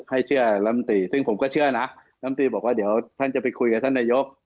ให้เชื่อลำตีซึ่งผมก็เชื่อนะลำตีบอกว่าเดี๋ยวท่านจะไปคุยกับท่านนายก